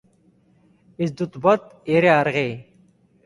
Ez dut bat ere argi.